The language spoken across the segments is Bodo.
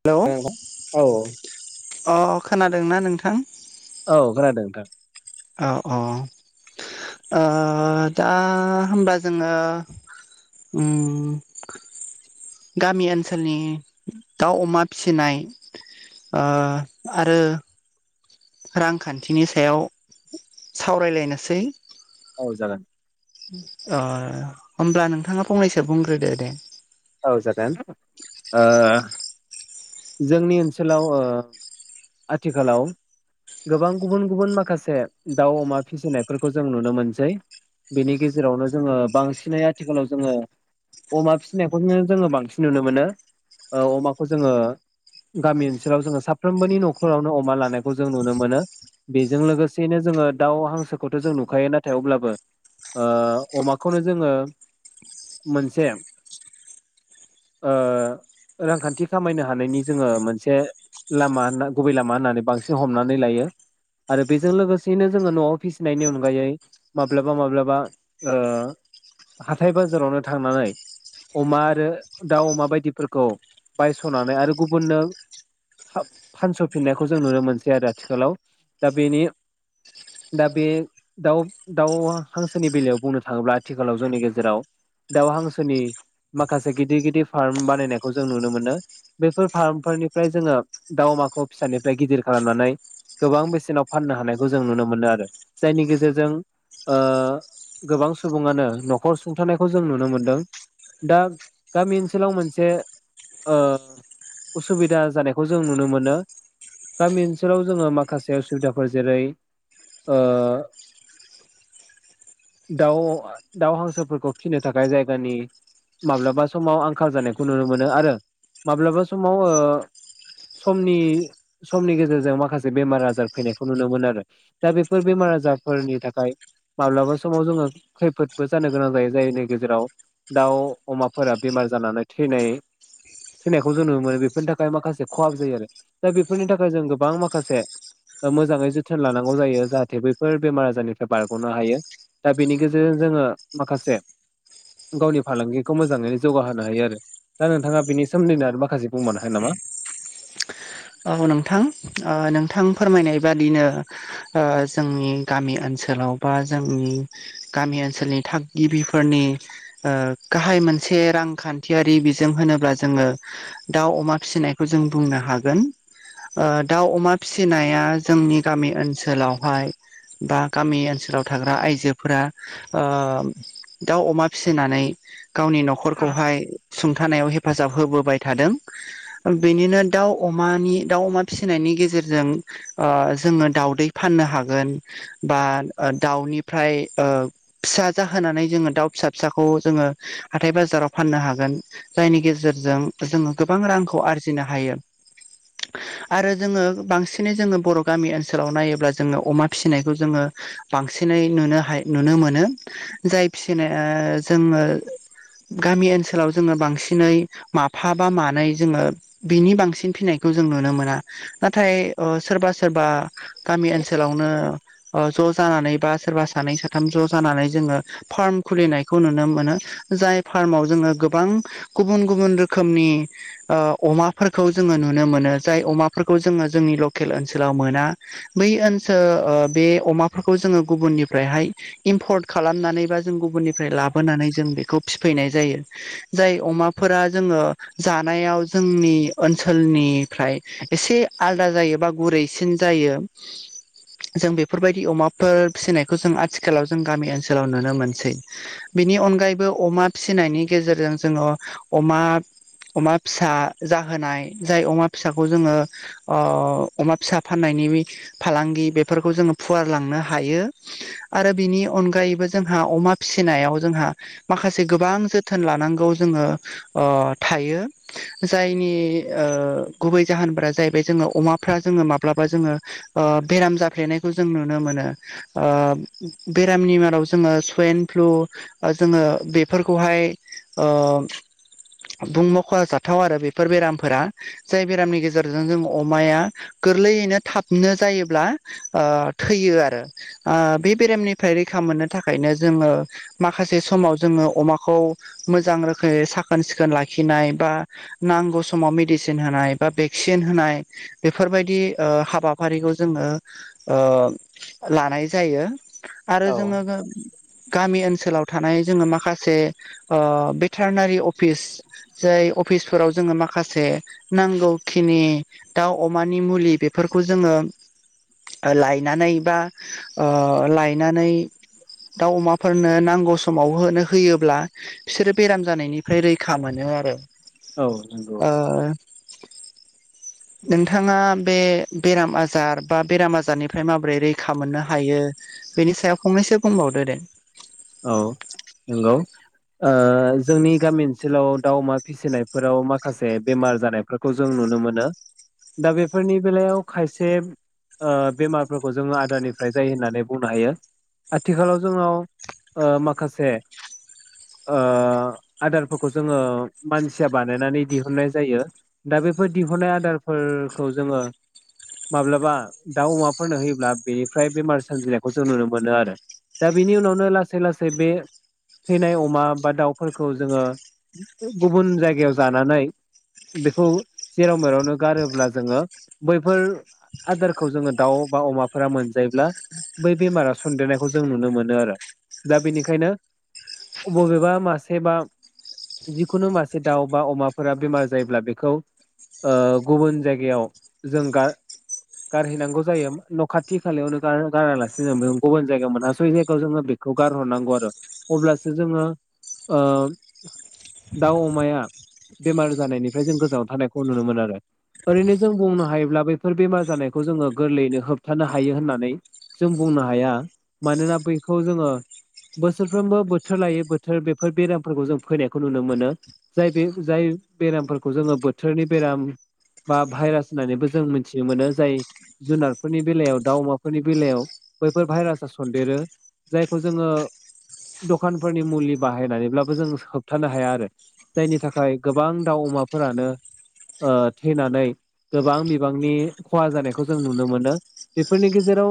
हेलौ औ अ खोनादोंना नोंथां? औ खोनादों नोंथां। औ औ दा होमबाथ जोङो उम गामि ओनसोलनि दाउ अमा फिसिनाय आरो रां खान्थि सायाव सावराइ लाइनोसै औ जागोन। अ होमब्ला नोंथाङा फंनैसो बुंग्रोदो दे। औ जागोन ओ जोंनि ओनसोलाव ओ आथिखालाव गोबां गुबुन गुबुन माखासे दाउ अमा फिसिनायफोरखौ जों नुनो मोनसै। बेनि गेजेरावनो जोङो बांसिनै आथिखालाव जोङो अमा फिसिनायखौनो जोङो बांसिन नुनो मोनो। अमाखौ जोङो गामि ओनसोलाव जोङो साफ्रोमबोनि न'खरावनो अमा लानायखौ जों नुनो मोनो। बेजों लोगोसेनो जोङो दाउ हांसोखौथ' जों नुखायो नाथाय अब्लाबो अमाखौनो जोङो मोनसे रांखान्थि खामायनो हानायनि जोङो मोनसे लामा होनना गुबै लामा होननानै बांसिन हमनानै लायो। आरो बेजों लोगोसेयैनो जोङो न'आव फिसिनायनि अनगायै माब्लाबा माब्लाबा हाथथाय बाजारावनो थांनानै अमा आरो दाउ अमा बायदिफोरखौ बायस'नानै आरो गुबुननो फानस'फिननायखौ जों नुनो मोनसै आरो आथिखालाव दा बेनि दा बे दाउ दाउ हांसोनि बेलायाव बुंनो थाङोब्ला आथिखालाव जोंनि गेजेराव दाउ हांसोनि माखासे गिदिर गिदिर फार्म बानायनायखौ जों नुनो मोनो। बेफोर फार्मफोरनिफ्राय जोङो दाउ अमाखौ फिसानिफ्राय गिदिर खालामनानै गोबां बेसेनाव फाननो हानायखौ जों नुनो मोनो आरो जायनि गेजेरजों गोबां सुबुङानो न'खर सुंथानायखौ जों नुनो मोनदों। दा गामि ओनसोलाव मोनसे उसुबिदा जानायखौ जों नुनो मोनो। गामि ओनसोलाव जोङो माखासे सुबिदाफोर जेरै ओ। दाउ-दाउ हांसोफोरखौ फिनो थाखाय जायगानि। माब्लाबा समाव आंखाल जानायखौ नुनो मोनो आरो माब्लाबा समाव ओ। समनि-समनि गेजेरजों माखासे बेमार आजार फैनायखौ नुनो मोनो आरो। दा बेफोर बेमार आजारफोरनि थाखाय माब्लाबा समाव जोङो खैफोदबो जानो गोनां जायो जायनि गेजेराव दाउ अमाफोरा बेमार जानानै थैनाय थैनायखौ जों नुनो मोनो बेफोरनि थाखाय माखासे खहाबो जायो आरो दा बेफोरनि थाखाय जों गोबां माखासे मोजाङै जोथोन लानांगौ जायो जाहाथे बैफोर बेमार आजारनिफ्राय बारग'नो हायो। दा बेनि गेजेरजों जोङो माखासे गावनि फालांगिखौ मोजाङै जौगाहोनो हायो आरो दा नोंथाङा बिनि सोमोन्दै नो आरो मा। माखासे बुंबानो हायो नामा। औ नोंथां ओ नोंथां फोरमायनाय बादिनो। ओ जोंनि गामि ओनसोलाव बा जोंनि। गामि ओनसोलनि थागिबिफोरनि। ओ गाहाय मोनसे रांखान्थियारि बिजों होनोब्ला जोङो। दाउ अमा फिसिनायखौ जों बुंनो हागोन। ओ दाउ अमा फिसिनाया जोंनि गामि ओनसोलावहाय। बा गामि ओनसोलाव थाग्रा आइजोफोरा ओ दाउ अमा फिसिनानै। गावनि न'खरखौहाय सुंथानायाव हेफाजाब होबोबाय थादों। बिनिनो दाउ अमानि। दाउ अमा फिसिनायनि गेजेरजों ओ जोङो दाउदै फाननो हागोन। बा दाउनिफ्राय ओ। फिसा जाहोनानै जोङो दाउ फिसा फिसाखौ जोङो हाथाय बाजाराव फाननो हागोन। जायनि गेजेरजों जोङो गोबां रांखौ आरजिनो हायो। आरो जोङो बांसिनै जोङो बर' गामि ओनसोलाव नायोब्ला जोङो अमा फिसिनायखौ जोङो। बांसिनै नुनो हाय नुनो मोनो जाय फिसिनाया जोङो। गामि ओनसोलाव जोङो बांसिनै माफा बा मानै जोङो। बिनि बांसिन फिनाय खौ जों नुनो मोना नाथाय ओ सोरबा सोरबा गामि ओनसोलावनो। ओ ज' जानानै बा सोरबा सानै साथाम ज' जानानै जोङो। फार्म खुलिनायखौ नुनो मोनो जाय फार्माव जोङो गोबां। गुबुन गुबुन रोखोमनि ओ अमाफोरखौ जोङो नुनो। नुनो मोनो जाय अमाफोरखौ जोङो जोंनि लकेल ओनसोलाव मोना। बै ओनसोल ओ बे अमाफोरखौ जोङो गुबुननिफ्रायहाय इम्पर्ट खालामनानै बा‌ जों गुबनिफ्राय लाबोनानै जों बेखौ फिफैनाय जायो जाय अमा। फोरा जोङो जानायाव जोंनि ओनसोल। ओनसोलनिफ्राय एसे आलदा जायो बा गुरैसिन जायो। जों बेफोरबायदि अमाफोर। फिसिनायखौ जों आथिखालाव जों गामि ओनसोलाव नुनो मोनसै। बिनि अनगायैबो अमा फिसिनायनि गेजेरजों जोङो अमा। अमा फिसा जाहोनाय जाय अमा फिसाखौ जोङो। अमा फिसा फाननायनि फालांगि बेफोरखौ जोङो फुवारलांनो हायो। आरो बिनि अनगायैबो जोंहा अमा फिसिनायाव जोंहा। माखासे गोबां जोथोन लानांगौ जोङो ओ थायो जायनि। ओ गुबै जाहोनफोरा जाहैबाय जोङो अमाफ्रा जोङो माब्लाबा जोङो। ओ बेराम जाफ्लेनायखौ जों नुनो मोनो। ओ बेरामनि मादाव जोङो सवाइन फ्लु। ओ जोङो बेफोरखौहाय ओ। बुं मख'हा जाथाव आरो बेफोर बेरामफोरा जाय बेरामनि गेजेरजों जों अमाया। गोरलैयैनो थाबनो जायोब्ला ओ थैयो आरो। ओ बे बेरामनिफ्राय रैखा मोननो थाखायनो जोङो। माखासे समाव जोङो अमाखौ मोजां रोखोमै साखोन सिखोन लाखिनाय एबा। नांग सम समाव मेडिसिन होनाय बा भेक्सिन होनाय बेफोरबायदि ओ हाबाफारिखौ जोङो ओ लानाय जायो आरो औ जोङो गामि ओनसोलाव थानाय जोङो माखासे ओ भेटारनारि अफिस। जाय अफिसफोराव जोङो माखासे माखासे नांगौखिनि दाउ अमानि मुलि बेफोरखौ जोङो लायनानै बा ओ लायनानै। दाउ अमाफोरनो नांगौ समाव होनो होयोब्ला बिसोरो बेराम जानायनिफ्राय रैखा मोनो आरो। औ नंगौ। ओ नोंथाङा बे बेराम आजार बा बेराम आजारनिफ्राय माबोरै रैखा मोननो हायो बेनि सायाव फंनैसो बुंबावदो दे। औ नंगौ। ओ जोंनि गामि ओनसोलाव दाउ अमा फिसिनायफोराव माखासे बेमार जानाय फोर खौ जों नुनो मोनो दा बेफोरनि बेलायाव खायसे‌ ओ बेमारफोरखौ जोङो आदारानिफ्राय जायो होननानै बुंनो हायो आथिखालाव जोंनाव ओ माखासे ओ आदारफोरखौ जोङो मानसिया बानायनानै दिहुननाय जायो। दा बेफोर दिहुननाय आदारफोरखौ जोङो। माब्लाबा दाउ अमाफोरनो होयोब्ला बेनिफ्राय बेमार सोमजिनायखौ जों नुनो मोनो आरो। दा बेनि उनावनो लासै लासै बे थैनाय अमा बा दाउफोरखौ जोङो गुबुन जायगायाव जानानै बेखौ जेराव मेरावनो गारोब्ला जोङो बैफोर आदारखौ जोङो दाउ बा अमाफोरा मोनजायोब्ला बै बेमारा सनन्देरनायखौ जों नुनो मोनो आरो दा बेनिखायनो बबबेबा मासे बा जिखुनु मासे दाउ बा अमाफोरा बेमार जायोब्ला बेखौ ओ गुबुन जायगायाव जों गार गारहैनांगौ जायो न' खाथि खालायावनो गार गारालासिनो बे गुबुन जायगायाव मोनासयै जायगायाव जोङो बे खौ गारहरनांगौ आरो अब्लासो जोङो ओ दाउ अमाया बेमार जानायनिफ्राय जों गोजानाव थानायखौ नुनो मोनो आरो। ओरैनो जों बुंनो हायोब्ला बैफोर बेमार जानायखौ जोङो गोरलैयैनो होबथानो हायो होननानै जों बुंनो हाया मानोना बैखौ जोङो बोसोरफ्रोमबो बोथोर लायै बोथोर बेफोर बेरामफोरखौ जों फैनायखौ नुनो मोनो। जाय बे जाय बेरामफोरखौ जोङो बोथोरनि बेराम बा भाइरास होननानैबो जों मिथिनो मोनो जाय जुनारफोरनि बेलायाव दाउ अमाफोरनि बेलायाव बैफोर भाइरासाआ सन्देरो। खौ जोङो दखानफोरनि मुलि बाहायनानैब्लाबो जों होबथानो हाया आरो। जायनि थाखाय गोबां दाउ अमाफोरानो ओ थैनानै गोबां बिबांनि खहा जानायखौ जों नुनो मोनो बेफोरनि गेजेराव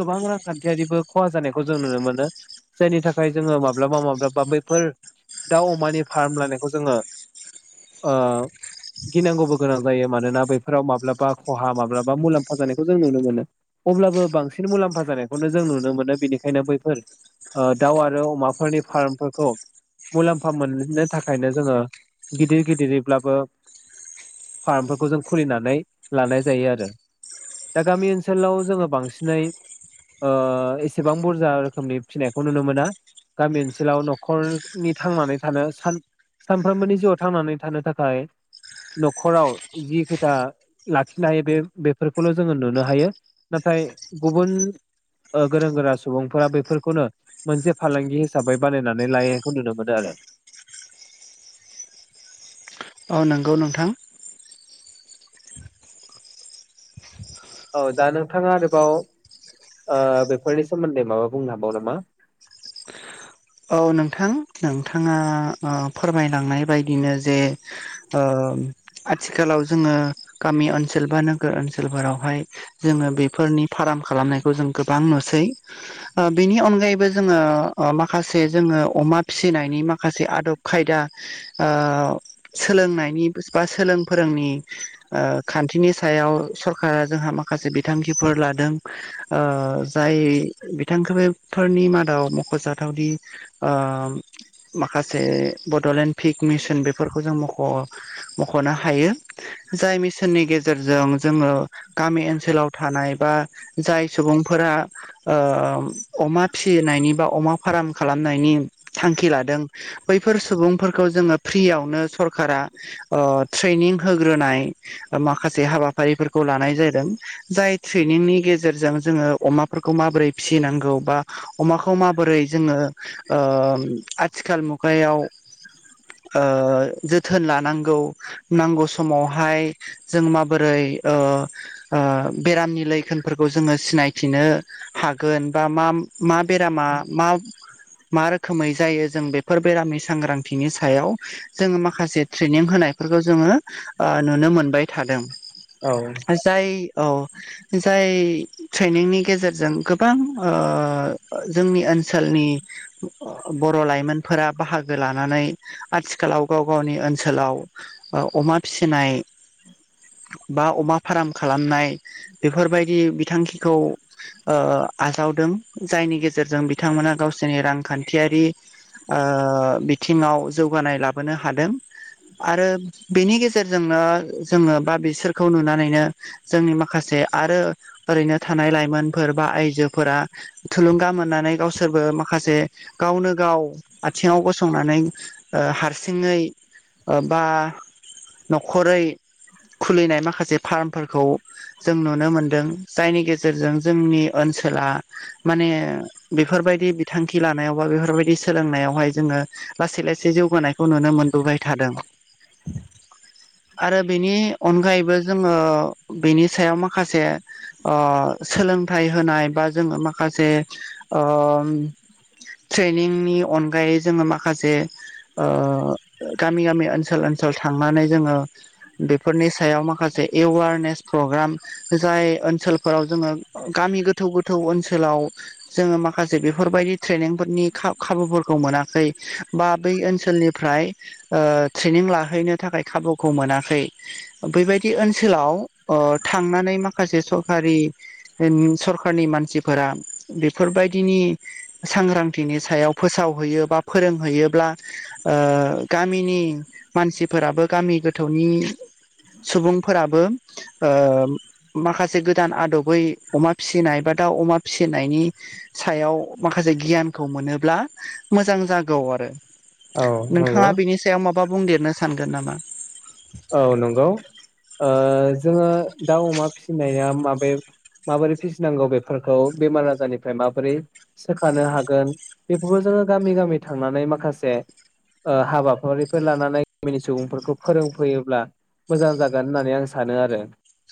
गोबां रांखान्थियारिबो खहा जानायखौ जों नुनो मोनो। जायनि थाखाय जोङो माब्लाबा माब्लाबा बेफोर दाउ अमानि फार्म लानायखौ जोङो ओ गिनांगौबो गोनां जायो मानोना बैफोराव माब्लाबा खहा माब्लाबा मुलाम्फा जानायखौ जों नुनो मोनो। अब्लाबो बांसिन मुलाम्फा जानायखौनो जों नुनो मोनो बिनिखायनो बैफोर ओ दाउ आरो अमाफोरनि फार्मफोरखौ मुलाम्फा मोननो थाखायनो जोङो गिदिर गिदिरैब्लाबो फार्मफोरखौ जों खुलिनानै लानाय जायो आरो। दा गामि ओनसोलाव जोङो बांसिनै ओ एसेबां बुरजा [unintelligible] फिसिनायखौ नुनो मोना गामि ओनसोलाव न'खरनि थांनानै थानो सान सानफ्रोमबोनि जिउआव थांनानै थानो थाखाय न'खराव जि पेता लाखिनो हायो बे बेफोरखौल' नुनो हायो। नाथाय गुबुन ओ गोरों गोरा सुबुंफोरा बैफोर खौनो मोनसे फालांगि हिसाबै बानायनानै लायेंखौ नुनो मोनो। औ नोंगौ नोंथां। औ दा नोंथाङा आरोबाव ओ बेफोरनि सोमोन्दै माबा बुंनो हाबावगोन नामा? औ नोंथां नोंथाङा ओ फोरमायलांनाय बायदिनो जे ओ आथिखालाव जोङो गामि ओनसोल बा नोगोर ओनसोल फोरावहाय जोङो बेफोरनि फाराम खालामनाय खौ जों गोबां नुसै ओ बेनि अनगायैबो जोङो ओ खासे जोङो अमा फिसिनायनि माखासे आदब खायदा ओ सोलोंनाइनि बा सोलों फोरोंनि ओ खान्थिनि सायाव सरखारा जोंहा माखासे बिथांखिफोर लादों। ओ जाय बिथांखोफोरनि मादाव मख'जाथा दि आ माखासे बड'लेण्ड फिक मिसन बेफोरखौ जों मख' मख'नो हायो। जाय मिसननि गेजेरजों जोङो गामि ओनसोलाव थानाय बा जाय सुबुंफोरा ओ अमा फिसिनायनि बा अमा फाराम खालामनायनि थांखि लादों बैफोर सुबुंफोरखौ जोङो फ्रियावनो सरखारा ओ थ्रेनिं होग्रोनाय माखासे हाबाफारिफोरखौ लानाय जायदों जाय थ्रेनिंनि गेजेरजों जोङो अमाफो फोरखौ माबोरै फिसिनांगौ बा अमाखौ माबोरै जोङो ओ आथिखाल मुगायाव ओ जोथोन लानांगौ। नांगौ समावहाय जों माबोरै ओ ओ बेरामनि लैखोनफोरखौ जोङो सिनायथिनो हागोन बा मा मा बेरामा मा मा रोखोमै जायो जों बेफोर बेरामनि सांग्रांथिनि सायाव जोङो माखासे थ्रेनिं होनायफोरखौ जोङो ओ नुनो मोनबाय थादों। औ। जाय औ। जाय थ्रेनिंनि गेजेरजों गोबां ओ जोंनि ओ सोलनि बर' लाइमोनफोरा बाहागो लानानै आथिखालाव गाव गावनि ओनसोलाव ओ अमा फिसिनाय बा अमा फाराम खालामनाय बेफोरबायदि बिथांखिखौ ओ आजावदों जाइनि गेजेरजों बि बिथांमोना गावसोरनि रांखान्थिआरि ओ बिथिङाव जौगानाय लाबो नो हादों। आरो बेनि गेजेरजोंनो जोङो बा बिसोरखौ नुनानैनो जोंनि माखासे आरो ओरैनो थानाय लाइमोनफोर बा आइजोफोरा थुलुंगा मोननानै गावसोरबो माखासे गावनो गाव आथिङाव गसंनानै ओ हारसिङै ओ बा न'खरै खुलिनाय माखासे फार्मफोरखौ जों नुनो मोनदों जायनि गेजेरजों जोंनि ओनसोला माने बेफोरबायदि बिथांखि लानायाव बा बेफोरबायदि सोलोंनायावहाय जोङो लासै लासै जौगानायखौ नुनो मोनबोबाय थादों। आरो बेनि अनगायैबो जोङो बेनि सायाव माखासे ओ सोलोंथाइ होनाय बा जोङो माखासे ओम ट्रेनिंनि अनगायै जोङो माखासे ओ गामि गामि ओनसोल ओनसोल थांनानै जोङो बेफोरनि सायाव माखासे एवारनेस प्रग्राम जाय ओनसोलफोराव जोङो गामि गोथौ गोथौ ओनसोलाव जोङो माखासे बेफोरबायदि ट्रेनिंफोरनि खा-खाबुफोरखौ मोनाखै बा बै ओनसोलनिफ्राय ओ ट्रेनिं लाहैनो थाखाय खाबुखौ मोनाखै। बेैबायदि ओनसोलाव ओ थांनानै माखासे सरकारि [unintelligible] सरखारनि मानसिफोरा बेफोरबायदिनि सांग्रांथिनि सायाव फोसावहैयो बा फोरोंहैयोब्ला ओ गामिनि मानसिफोराबो गामि गोथौनि सुबुंफोराबो ओ माखासे गोदान आदबै अमा फिसिनाय बा दाउ अमा फिसिन नायनि सायाव माखासे गियानखौ मोनोब्ला मोजां जागौ आरो औ नंगौ नोंथाङा बिनि सायाव माबा बुंदेरनो सानगोन नामा? औ नंगौ ओ जोङो दाउ अमा फिसिनाया माबे माबोरै फिसिनांगौ बेफोरखौ बेमार आजारनिफ्राय माबोरै सोखानो हागोन बेखौबो जोङो गामि गामि थांनानै माखासे ओ हाबाफारिफोर लानानै गामिनि सुबुंफोरखौ फोरों फैयोब्ला मोजां जागोन होननानै आं सानो आरो